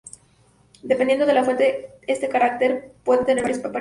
Dependiendo de la fuente, este carácter puede tener varias apariencias.